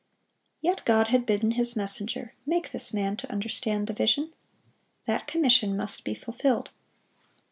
Yet God had bidden His messenger, "Make this man to understand the vision." That commission must be fulfilled.